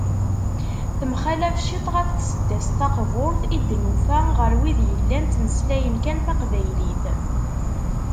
Temxalaf ciṭ ɣef tseddast taqburt i d-nufa ɣer wid yellan ttmeslayen kan taqbaylit.